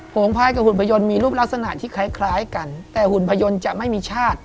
งภายกับหุ่นพยนมีรูปลักษณะที่คล้ายกันแต่หุ่นพยนตร์จะไม่มีชาติ